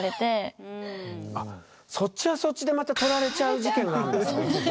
そっちはそっちでまた「取られちゃう事件」なんだ。